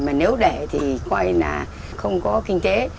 mà nếu để thì coi là không có kinh tế